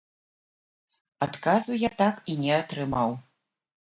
Адказу я так і не атрымаў.